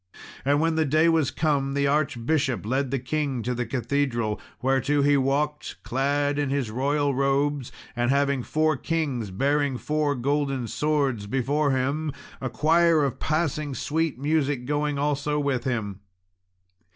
And when the day was come, the archbishops led the king to the cathedral, whereto he walked, clad in his royal robes, and having four kings, bearing four golden swords, before him; a choir of passing sweet music going also with him.